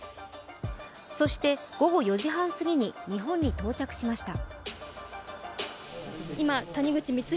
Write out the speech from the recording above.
そして、午後４時半すぎに日本に到着しました。